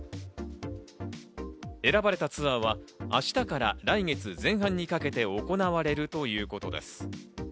選ばれたツアーは明日から来月前半にかけて行われるということです。